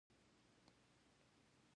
اوس د پراخ بیا ځلي تولید په اړه وایو